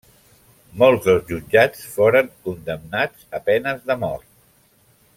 Molts dels jutjats foren condemnats a penes de mort.